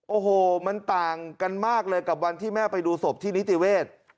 โอ้โหมันต่างกันมากเลยกับวันที่แม่ไปดูศพที่นิติเวศ